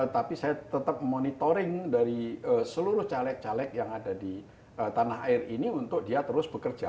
tapi saya tetap monitoring dari seluruh caleg caleg yang ada di tanah air ini untuk dia terus bekerja